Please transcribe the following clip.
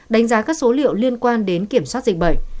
đánh giá các số liệu liên quan đến kiểm soát dịch bệnh